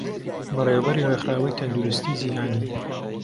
بەڕێوەبەری ڕێکخراوەی تەندروستیی جیهانی